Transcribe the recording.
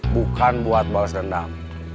bukan buat balas dendam